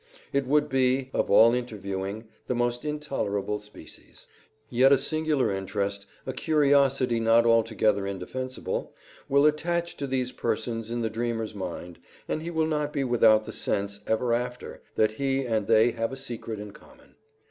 It would be, of all interviewing, the most intolerable species. Yet a singular interest, a curiosity not altogether indefensible, will attach to these persons in the dreamer's mind, and he will not be without the sense, ever after, that he and they have a secret in common.